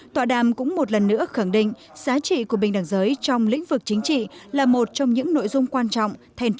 tọa đàm cũng một lần nữa khẳng định giá trị của bình đẳng giới trong lĩnh vực chính trị là một trong những nội dung quan trọng